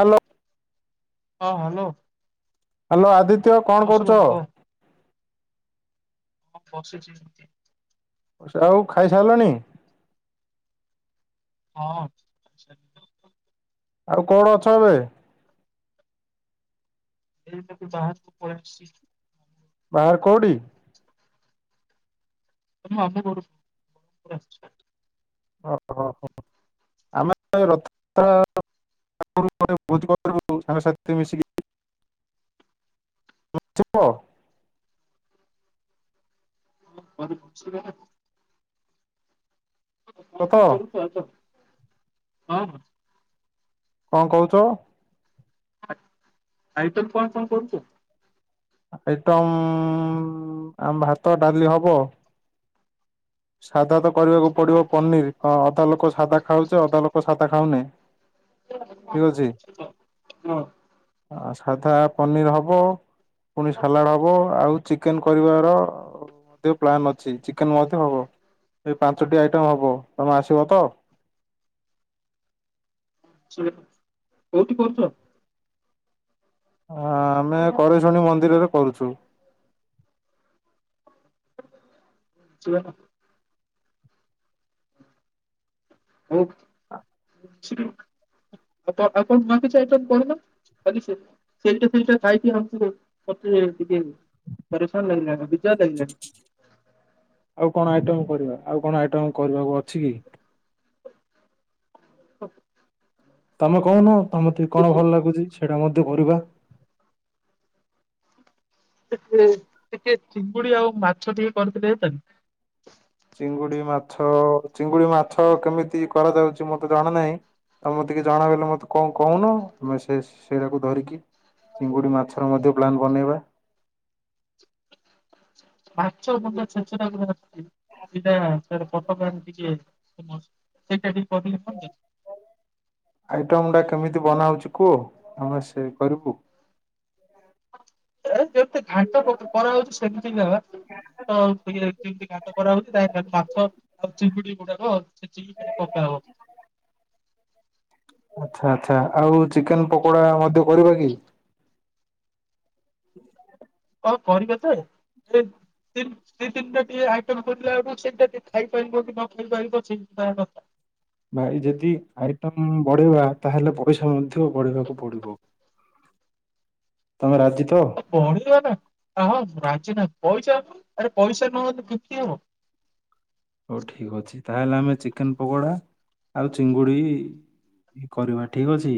Hello. ହଁ hello. Hello Aditya କଣ କରୁଚା? ହଁ ବସିଛି। ଆଉ ଖାଇସାଇଲଣି? ହଁ। ଆଉ କଣ ଅଛ ଏବେ? ଏଇ ତାକୁ ବାହାରକୁ ପଲେଇଆସିଛି। ବାହାର କୋଉଠି? ମନେ ପଡୁନି ଏ ରାସ୍ତା ଓହୋ ହୋ ହୋ ଆମେ ତ ଏ ରଥଯାତ୍ରା [inaudible] ବୋଜକରିଥିଲୁ ସାଙ୍ଗସାଥି ମିଶିକି। [inaudible] [inaudible] କଣ କଣ କରୁଛ ଆ ହଁ। କଣ କହୁଚ? ଆ ଆଇଟମ କଣ କଣ କରୁଚ? ଆଇଟମ ଆ ଭାତ ଡାଲି ହବ ସାଧା ତ କରିବାକୁ ପଡିବ ପନିରି ଅ ଅଧା ଲୋକ ସାଧା ଖାଉଛେ ଅଧା ଲୋକ ସାଧା ଖାଉନେ। ଠିକ ଅଛି। ହଁ। ସାଧା ପନିର ହବ ପୁଣି ସାଲାଡ଼ ହବ ଆଉ ଚିକେନ କରିବାର ମଧ୍ୟ ପ୍ଲାନ୍ ଅଛି ଚିକେନ ମଧ୍ୟ ହବ। ଏଇ ପାଞ୍ଚଟି ଆଇଟମ ହବ ତମେ ଆସିବ ତ? ଯିବି କୋଉଠି କରୁଚ? ହଁ ଆମେ କରଶୁଣୀ ମନ୍ଦିରରେ କରୁଛୁ। ଯ ଆଉ ନିଉ ଆଇଟମ କିଛି କରୁନ। କ ସେ ସେଇଟା ସେଇଟା ଖାଇକି ଆ ମତେ ଟିକେ ପରିସାନ ଲାଗିଲାଣି। [inaudible] ଆଉ କଣ ଆଇଟମ କରିବା ଆଉ କଣ ଆଇଟମ କରିବାକୁ ଅଛି କି? ଓ ତମେ କହୁନ ତମ ଟେ କଣ ଭଲ ଲାଗୁଛି ସେଇଟା ମଧ୍ୟ କରିବା। ଟେ ଟିକେ ଚିଙ୍ଗୁଡି ଆଉ ମାଛ ଟିକେ କରିଥିଲେ ହେ ଚିଙ୍ଗୁଡି ମାଛ ଚିଙ୍ଗୁଡି ମାଛ କେମିତି କରାଯାଉଛି ମୋତେ ଜଣା ନାହିଁ। ଆମ ଟିକେ ଜଣା ବଲେ ମତେ କଣ କହୁନୁ ସେ ସେଇଟାକୁ ଧରିକି ଚିଙ୍ଗୁଡି ମାଛର ମଧ୍ୟ ପପ୍ଲାନ ବନେଇବା। ମାଛ ମୁଣ୍ଡ ଛେଚେଡା [inaudible] ସେଇଟା କଟଗ ଟିକେ ସେଇଟାିକ କରିଦ ଆଇଟମ ଟା କେମିତି ବନାଉଛି କୁହ ଆମେ ସେ କରିବୁ। ଏ ଯେମିତି ଘାଣ୍ଟ କରାହାଉଛି ସେମିତି [inaudible] ତ ଯେମିତି ଘାଣ୍ଟ କରାହଉଛି ତା ମାଛ ଆଉ ଚିପୁଡି [inaudible] ଛେଚିକି ପକା ହବ ଆଚ୍ଛା ଆଉ ଚିକେନ ପକୋଡା ମଧ୍ୟ କରିବା କି? [unintelligible] ହଁ କରିବା ଯେ ଦ ତିନଟା ଟିକେ ଆଇଟ କରିଲା ବେଳକୁ ସେଇଟା ଟିକେ ଖାଇପାରିବ କି ନ ଖାଇ ପାରିବ ସେଇ କଥା ଭାଇ ଯଦି ଆଇଟମ ବଢେଇବା ତାହେଲେ ପଇସା ମଧ୍ୟ ବଢେଇବାକୁ ପଡିବ। ତୋମେ ରାଜି ତ? ଏ ଗଣିନୁ ଆମେ। ଆମର ରାଜି ନାଇ। ପଇସା [unintelligible] ଆରେ ପଇସା ନୁହଁ ମାନେ କିତି ହବ। ହଉ ଠିକ ଅଛି ତାହେଲେ ଆମେ ଚିକେନ୍ ପକୋଡ଼ା ଆଉ ଚିଙ୍ଗୁଡ଼ି କରିବା ଠିକ ଅଛି।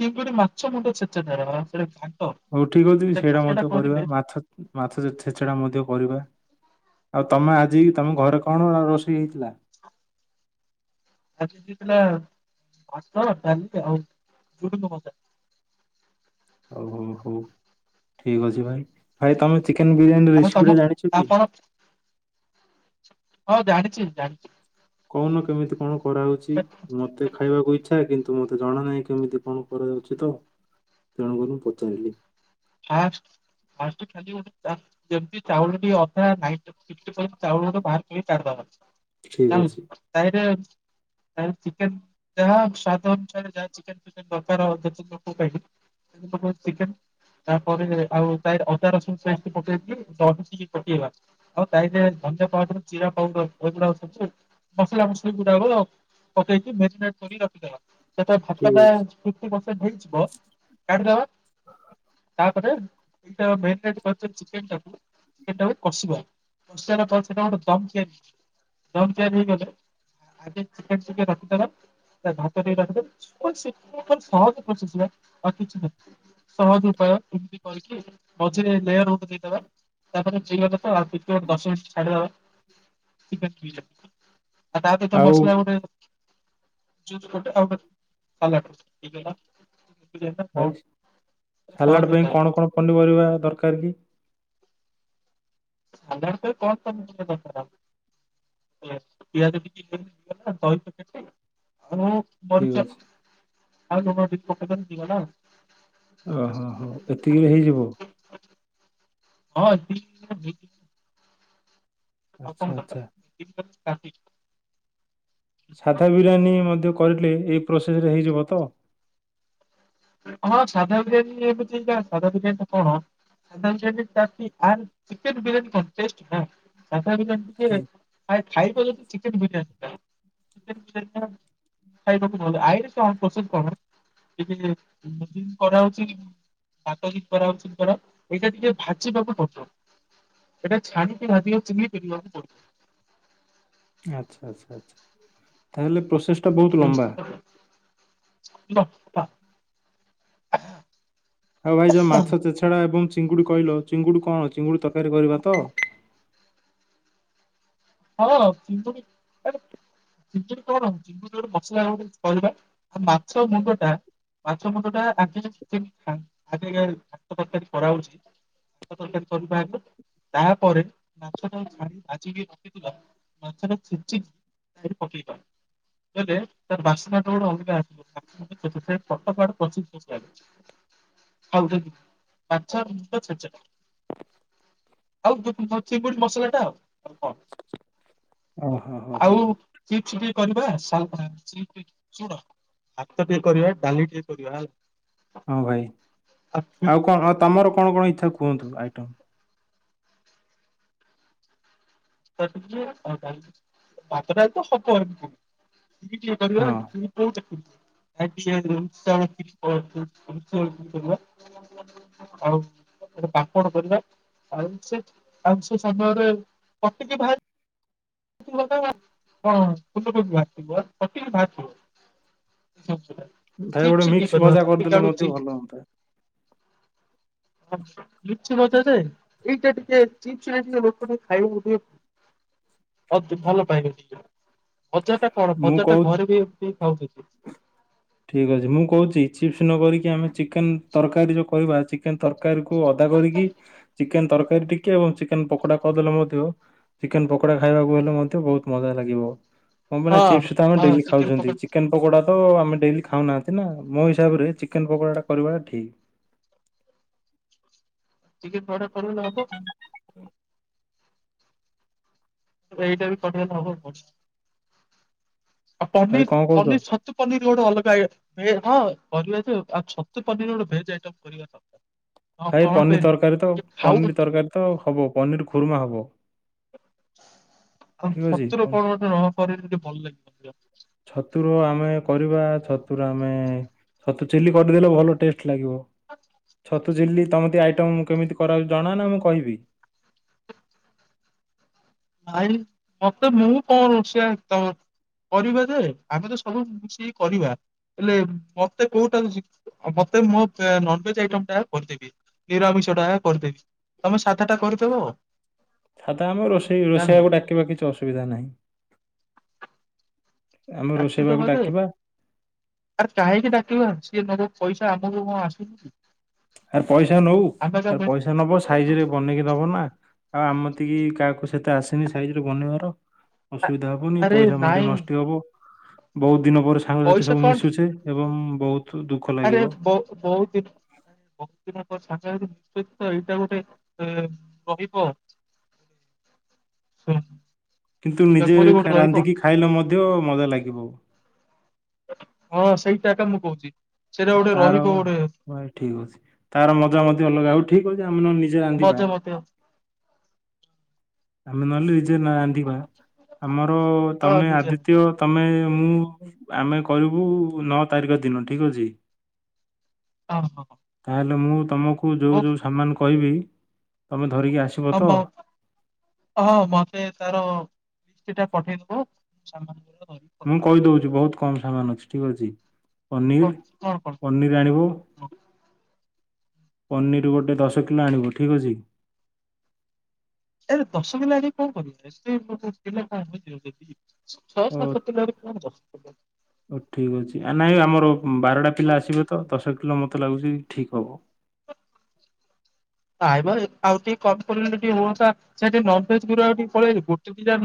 ଚିଙ୍ଗୁଡି ମାଛ ମୁଣ୍ଡ ଛେଚା ଟାରେ ହବ। ସେଟା [unintelligible] ହଉ ଠିକ ଅଛି ସେଟା ସେଇଟା ଘାଣ୍ଟ ଟା ମଧ୍ୟ କରିବା। କରିଲେ ମାଛ ମାଛ ଛେଚେଡା ମଧ୍ୟ କରିବା। ଆଉ ତୋମେ ଆଜି ତୋମ ଘରେ କଣ ରୋଷେଇ ହେଇଥିଲା? ଆଜି ହେଇଥିଲା ଭାତ, ଡାଲି ଆଉ ଝୁଡ଼ଙ୍ଗ ଭଜା। ହଉ, ହଉ, ହଉ ଠିକ ଅଛି ଭାଇ ଭାଇ ତୋମେ ଚିକେନ୍ ବିରିୟାନୀର ଆଉ ରେସିପି ତମ ଟା ଜାଣିଛ କି? ଆପଣ ହଁ ଜାଣିଚି, ଜାଣିଚି। କହୁନ କେମିତି କଣ କରାହଉଚି ମୋତେ ଖାଇବାକୁ ଇଚ୍ଛା କିନ୍ ତୁ ମୋତେ ଜଣା ନାହିଁ କେମିତି କଣ କରାଯାଉଛି ତ ତେଣୁ କରି ମୁଁ ପଚାରିଲି। ଫାଷ୍ଟ ଫାଷ୍ଟ ଖାଲି ଗୋଟେ ଚା ଯେମତି ଚାଉଳ ଟିକେ ଅଧା ନାଇନଟି ସିକ୍ସଟି ଫାଇଭ୍ ଚାଉଳ [unintelligible] ବାହାର କରି କାଢିଦବ। [unintelligible] ଠିକ ଅଛି ତାହିରେ ତାପରେ ଚିକେନ୍ ଯାହା ସ୍ଵାଦ ଅନୁସାରେ ଯାହା ଚିକେନ୍ ଫିକେନ୍ ଦରକାର ଅଧା, ଚିକେନ୍ କୁ [unintelligible] [unintelligible] ଚିକେନ୍ ତାପରେ ଆଉ ତାଇରେ ଅଦା ରସୁଣ ସେମତି ପକେଇକି ଦହି ଟିକେ ପକେଇବା ଆଉ ତାହିରେ ଭଞ୍ଜା ପାଉଡର ଜିରା ପାଉଡର ଏଗୁଡା [unintelligible] ମସଲା ମସଲି ଗୁଣ୍ଡ ହବ। ପକେଇକି ମେଗିନେଟ କରି ରଖିଦବା। ଯେତେଳେ ଠିକ ଭାତଟା ଅଛି। ଫୁଟିବ ସେ ହେଇଯିବ କାଢିଦବା। ତାପରେ [unintelligible] ମେଗନେଟ୍ କରିଚନ୍ତି ଚିକେନ୍ ଟାକୁ ସେଟାକୁ କଷିବ। କଷି ସାଇଲା ପରେ ସେଟା ଗୋଟେ ଦମ୍ ତିଆରି ଦମ୍ ତିଆରି ହେଇଗଲେ ଆଗେ ଚିକେନ୍ ଟିକେ ରଖିଦବ। ତା ଭାତ ଟିକେ ରଖିଦବ। ଏ [unintelligible] ସହଜ ପ୍ରସେସ୍ ବା ଆଉ କିଛି ନାହିଁ। ସହଜ ଉପାୟ ଏମିତି କରିକି ମଝିରେ ଲେୟାର ଗୋଟେ ଦେଇଦବା। ତାପରେ [unintelligible] ହବତ ଆଉ ଟିକେ ଦଶ ମିନଟ୍ ଛଡ଼ିଦବା ଚିକେନ୍ [unintelligible] ହବ। ଆ ତା ଦିହରେ ତ ଆଉ ମସଲା ବୋଧେ ତ [unintelligible] ସାଲାଡ୍ ପାଇଁ କଣ କଣ ପନିପରିବା ଦରକାର କି? ସାଲାଡ୍ ପାଇଁ କଣ ପନିପରିବା ଦରକାର? ପିଆଜ, ପିଆଜ ଟିକେ [unintelligible] ଦହି ପେକେଟ୍ ଟେ ଆଉ ଠିକ ମରିଚ ଅଛି। ଆଉ [unintelligible] ଆଉ। ଓହୋ ଓହୋ ଏତିକିରେ ହେଇଯିବ? ହଁ ଏତିକିରେ ହେଇଯିବ। ଆଉ ଆଚ୍ଛା କଣ ଆଚ୍ଛା। ଦରକାର [unintelligible] ସାଧା ବିରିୟାନୀ ମଧ୍ୟ କରିଲେ ଏ ପ୍ରୋସେସ୍ ରେ ହେଇଯିବ ତ? ହଁ ସାଧା ବିରିୟାନୀ ଏମିତି କା। ସାଧା ବିରିୟାନୀ ଟା କଣ। ସାଧା ବିରିୟାନୀ ତାର ଟିକେ [unintelligible] ଚିକେନ୍‌ ବିରିୟାନୀ କଣ ଟେଷ୍ଟ ହଁ, ହଁ, ସାଧା ବିରିୟାନୀ ଟିକେ ଠିକ୍। ଖା ଖାଇବ ଯଦି ଚିକେନ୍ ବିରିୟାନୀ ଟା। ଚିକେନ୍ ବିରିୟାନୀ ଟା ଖାଇବାକୁ ଭଲ। ଆଇରି କଣ ପ୍ରସେସ୍ କଣ [unintelligible] [unintelligible] କରା ହଉଚି। ଭାତ କି କରା ହଉଚି କଣ ଏଇଟା ଟିକେ ଭାଜିବାକୁ ପଡିବ। ଏଟା ଛାଡ଼ିିକି ଭାଜି ଆଉ [unintelligible] କିଣିବାକୁ ପଡୁଛି। ଆଚ୍ଛା, ଆଚ୍ଛା, ଆଚ୍ଛା ତାହେଲେ ପ୍ରୋସେସ୍ [inaudible] ହଉ ଭାଇ ଯୋଉ ମାଛ ଚେଛଡା ଏବଂ ଚିଙ୍ଗୁଡ଼ି କହିଲ ଚିଙ୍ଗୁଡ଼ି କଣ ଚିଙ୍ଗୁଡ଼ି ତରକାରୀ କରିବା ତ ହଁ ଚିଙ୍ଗୁଡ଼ି ଆରେ ଚିଙ୍ଗୁଡି କଣ ଚିଙ୍ଗୁଡ଼ି ଗୋଟେ ମସଲାର ଗୋଟେ ପରିବା ମାଛମୁଣ୍ଡଟା ମାଛ ମୁଣ୍ଡଟା [unintelligible] କରହଉଛି ତରକାରୀ କରିବା ହେତୁ ତାପରେ ମାଛଟାକୁ ଛାଣି ଭାଯିକି [unintelligible] ପଛରେ ଛିଞ୍ଚିକି ସେଥିରେ ପକେଇବା। ଏବେ ତାର ବାସ୍ନାଟା ଗୋଟେ ଅଲଗା ଆସିବ। [unintelligible] ପଶିଯିବ ସିଆଡ଼େ। ହଉ [unintelligible] ମାଛ ମୁଣ୍ଡ ଛେଞ୍ଚେଡ଼ା । ଆଉ [unintelligible] ଚିଙ୍ଗୁଡି ମସଲା ଟା ଆଉ ଆଉ କଣ। ଓ ହୋ ହୋ ହଉ ହଉ। କହିଲି ବା [unintelligible] ଶୁଣ ଭାତ ଟିକେ କରିବା ଡ଼ାଲି ଟିକେ କରିବା ହେଲା ହଁ ଭାଇ ଆଉ ଭାତ କଣ ତମର କଣ କଣ ଇଚ୍ଛା କୁହନ୍ତୁ ଆଇଟମ? [unintelligible] ହବ। ଟିକଏ କରିବା ହଁ କୋଉ [unintelligible] ପାମ୍ପଡ଼ କରିବା ଆଉ ସେ ଆଉ ସେ ସମୟରେ କଟକି ବାହାର [inaudible] [unintelligible] [unintelligible] ମଜା ଯେ ଭାଇ ଗୋଟେ ମିକ୍ସ ଭଜା ଏଇଟା କରିଦେଲେ ମଧ୍ୟ ଭଲ ଟିକେ ହୁଅନ୍ତା। ଚିପ୍ସ ଟିକେ ଲୋକ ଟେ ଖାଇବାକୁ ଟିକେ ଭଲ ପାଇବେ ଭଜା ଟା କଣ ମୁଁ ଭଜା ଟା କହୁଛି ଘରେ ବି ଏମିତି ଖାଉ [inaudible] ଠିକ୍ ଅଛି ମୁଁ କହୁଛି ଚିପ୍ସ ନ କରିକି ଆମେ ଚିକେନ୍ ତରକାରୀ ଯୋଉ କରିବା ଚିକେନ୍ ତର [unintelligible] ଅଦା କରିକି ଚିକେନ ତରକା ଟିକେ ଏବଂ ଚିକେନ୍ ପକୋଡା କରିଦେଲେ ମଧ୍ୟ ଚିକେନ୍ ପକୋଡା ଖାଇବାକୁ ହେଲେ ମଧ୍ୟ ବହୁତ୍ [unintelligible] ଲାଗିବ। ହଁ ପରା ଚିପ୍ସ୍ ତ ଆମେ ହଁ ଡେଲି ଚିକେନ ଖାଉଛନ୍ତି ପକୋଡା ଚିକେନ ପକୋଡା ତ ଆମେ ଡେଲି ଖାଉନାହାନ୍ତି ନା ମୋ ହିସାବରେ ଚିକେନ ପକୋଡା ଟା କରିବା ଠିକ୍। ଟିକେ [unintelligible] ଏଇଟା ବି କରିଦେଲେ ହବ ଆଉ ଭାଇ ପନିର କଣ କହୁଛ? ପନିର ଛତୁ ପନିର ଗୋଟେ ଅଲଗା ଇଏ ହଁ କରିବା ଯେ ଆଉ ଛତୁ ପନିର୍ ଗୋଟେ ଭେଜ ଆଇଟମ୍ କରିବା ହଁ ଭାଇ କଣ ପନିର ପାଇଁ ନା ତରକାରୀ ତ ଯେ ଖାଉ ପନିର ତରକାରୀ ତ ହବ ପନିର କୁରୁମା ହବ। ଆଉ ଠିକ ଅଛି। ଛତୁ ରେ କଣ ଗୋଟେ [unintelligible] ଟିକେ ଭଲ ଲାଗିବ। ଛତୁର ଆମେ କରିବା ଛତୁର ଆମେ ଛତୁ ଚିଲି କରିଦେଲେ ଭଲ ଟେଷ୍ଟ୍ ଲାଗିବ ଛତୁ ଚିଲ୍ଲୀ- [unintelligible] ଆଇଟମ୍ ମୁଁ କେମିତି କରାହଉଛି ଜଣା ନା ମୁଁ କହିବି। ଭାଇ ମତେ ମୁଁ କଣ ରୋଷେଇଆ ତ କରିବା ଯେ ଆମେ ତ ସବୁ ମିଶିକି କରିବା। ହେଲେ ମତେ କୋଉଟା ମତେ ମୋ ନନଭେଜ୍ ଆଇଟମ୍ ଟା କରିଦେବି। ନିରାମିଷ ଟା କରିଦେବି ତମେ ସାଧା ଟା କରିଦେବ। ସାଧା ହବ ରୋଷେଇ ଜାଣିଲ। ରୋଷେଇଆକୁ ଡାକିବା କିଛି ଅସୁବିଧା ନାହିଁ। ଆମେ ରୋଷେଇବାକୁ ଡାକିଦବା ଯେ ଡାକିବା ଆରେ କାହିଁକି ଡାକିବା ସିଏ ନେବ ପଇସା। ଆମକୁ କଣ ଆସୁଛି। ଆରେ ପଇସା ନଉ ଆ ମେ ପଇସା ନବ ସାଇଜ ରେ ବନେଇକି ଦବ ନା। ଆଉ ଆମେ [unintelligible] କାହାକୁ ସେତେ ଆସିନି ସାଇଜରେ ବନେଇବାର। ଆ ଅସୁବିଧା ହବନି ଆରେ ପଇସା ମଧ୍ୟ ନାଇଁ ନଷ୍ଟ ହବ ବହୁତ୍ ଦିନ ପରେ ସାଙ୍ଗସାଥି ପଇସା ସବୁ କଣ ମିଶୁଛେ। ଏବଂ ବହୁତ୍ ଆରେ ବହୁ ବହୁତ୍ ଦିନ୍ [unintelligible] ଏଇଟା ଗୋଟେ ରହିବ। [inaudible] କିନ୍ତୁ ନିଜେ ମେମୋରି ଗୋଟେ ରହିବ ରାନ୍ଧିକି ଖାଇଲେ ମଧ୍ୟ ମଜା ଲାଗିବ। ହଁ ସେଇଟା ଏକା ମୁଁ କହୁଛି। ତାର [unintelligible] ଠିକ୍ ଅଛି ତାର ମଜା ମଧ୍ୟ ଅଲଗା ହଉ ଠିକ୍ ଅଛି। ଆମେ ନହଲେ ନିଜେ ରାନ୍ଧିବା। ମଜା ମତେ ଆମେ ନହେଲେ ନିଜେ ରାନ୍ଧିବା ଆମର ହଁ ତମେ ନିଜେ ଆଦିତ୍ୟ ତମେ ମୁଁ ଆମେ କରିବୁ ନଅ ତାରିଖ ଦିନ ଠିକ୍ ଅଛି। ହଁ ହଁ। ତାହେଲେ ମୁଁ ତମକୁ ଯୋଉ ହଉ ଯୋଉ ସାମାନ୍ କହିବି ତମେ ଧରିକି ଆସିବ ତ ହବ ହଁ ମତେ ତାର ସେଟା ପଠେଇ ଦବ ମୁଁ ଧରିକି ମୁଁ ପଳେଇବି କହିଦଉଛି ବହୁତ୍ କମ ସାମାନ୍ ଅଛି ଠିକ୍ ଅଛି। ପନିର୍ କଣ କଣ ପନିର୍ ଆଣିବ। କଣ ପନିର ଗୋଟେ ଦଶ କିଲୋ ଆଣିବ ଠିକ୍ ଅଛି। ଏ ଦଶ କିଲୋ ଆଣିକେ କଣ କରିବା ଏ ପଚାଶ କିଲୋ ଛଅ ଓ ସାତ କିଲୋରେ କଣ [unintelligible] ଓ ଠିକ ଅଛି ଆ ନାଇଁ ଆମର ବାରଟା ପିଲା ଆସିବେ ତ ଦଶ କିଲୋ ମତେ ଲାଗୁଛି ଠିକ ହବ। ନାଇଁ ମ ଆଉ ଟିକେ କମ୍ ପରିମାଣରେ ଟିକେ ହୁଅନ୍ତା ସାର୍ ଟିକେ ନନ ଭେଜ୍ [unintelligible] ମୋର ଟିକେ ପଳେଇ ଗୋଟେ ଦିଇ ଟା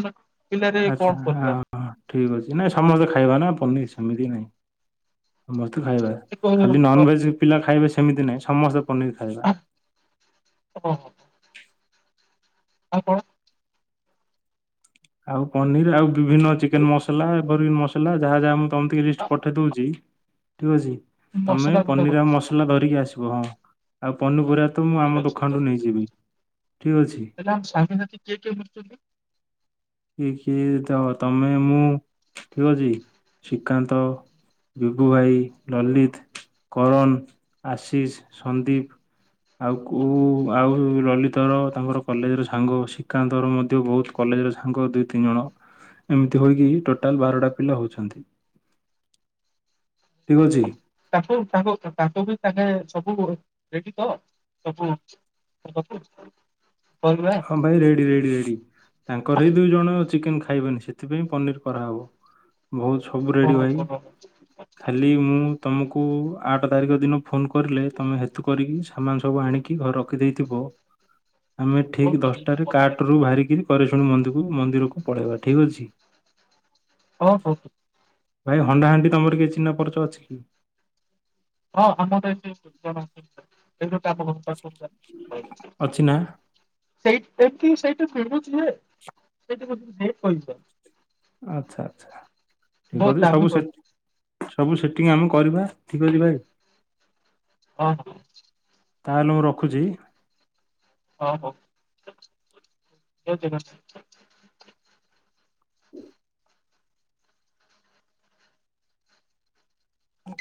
ଆଚ୍ଛା ହଁ ହଁ ଠିକ ଅଛି ନାଇଁ ସମସ୍ତେ ଖାଇବା ନା ପନିର ସେମିତି ନାହିଁ ସମସ୍ତେ ଖାଇବା ଏ କଣ- ଖାଲି ଅ- ନନଭେଜ ପିଲା ଖାଇବେ ସେମିତି ନାହିଁ ସମସ୍ତେ ପନିର ଖାଇବା ହଁ ଆଉ କଣ? ଆଉ ପନିର ଆଉ ବିଭିନ୍ନ ଚିକେନ ମସଲା ଏଭର୍ ଗ୍ରୀନ ମସଲା ଯାହା ଯାହା ତମେ ଟିକେ ଲିଷ୍ଟ ଆ ପଠେଇ ଦଉଛି ଠିକ୍ ଅଛି ତୁମେ ମସଲା ଗୁଣ୍ଡ ପନିର ଗୋଟେ ଆଉ ମସଲା ଧରିକି ଆସିବ ହଁ ଆଉ ପନିପରିବା ତ ମୁଁ ଠିକ ଆମ ଦୋକାନରୁ ଅଛି ନେଇଯିବି ଠିକ ଅଛି ହେଲେ ଆମ ସାଙ୍ଗସାଥି କିଏ କିଏ ବୁଲୁଛନ୍ତି କିଏ କିଏ ତ ତମେ ମୁଁ ଠିକ ଅଛି ଶ୍ରୀକାନ୍ତ ବିଭୁ ଭାଇ, ଲଲିତ, କରନ, ଆଶିଷ, ସନ୍ଦୀପ ଆଉ କୋଉ ଆଉ ଲଳିତର ତାଙ୍କର କଲେଜର ସାଙ୍ଗ ଶ୍ରୀକାନ୍ତର ମଧ୍ୟ ବହୁତ କଲେଜର ତାଙ୍କ ଦୁଇ ତିନି ଜଣ ଏମିତି ହୋଇକି ଟୋଟାଲ ବାରଟା ପିଲା ହଉଛନ୍ତି। ଠିକ ଅଛି। ତାଙ୍କ ତାଙ୍କ ବି ତାଙ୍କେ ସବୁ ରେଡି ତ ସବୁ ଆ କ ହଁ ଭାଇ ରେଡି ରେଡି ରେଡି ତାଙ୍କର ହେଇ ଦୁଇ ଜଣ ଚିକେନ ଖ ଖାଇବେନି ସେଥିପାଇଁ ପନିର କରାହବ। ବହୁତ ସବୁ ଓ ରେଡ଼ି ଭାଇ ହଉ ହଉ ଖାଲି ମୁଁ ତମକୁ ଆଠ ତାରିଖ ଦିନ ଫୋନ୍ କରିଲେ ତମେ ହେତୁ କରିକି ସାମାନ ସବୁ ଆଣିକି ଘରେ ରଖି ଦେଇଥିବ ଆମେ ହଉ ଠିକ ଠିକ୍ ଅଛି, ମୁଁ ଦଶଟାରେ ମନେ କାଟ କରିବି। ରୁ ବାହାରିକି କରେଶୁଆଣି ମନ୍ଦିକୁ ମନ୍ଦିରକୁ ପଳେଇବା ଠିକ ଅଛି। ହଁ ହଉ। ଭାଇ ହଣ୍ଡାହାଣ୍ଡି ତମର କିଏ ଚିହ୍ନା ପରଚ ଅଛି କି? [unintelligible] ଅଛି ନା ସିଏ [unintelligible] ସେ କହିଛ ଆଛା ଆଚ୍ଛା ଠିକ ବହୁତ ଅଛି ଦାମୀ ସବୁ ସେ କହିବ ସବୁ ସେ ଟିଙ୍ଗ ଆମେ କରିବା ଠିକ ଅଛି ଭାଇ ହ ତାହେଲେ ମୁଁ ରଖୁଛି। ଓହୋ କେତେ ଟ ଆ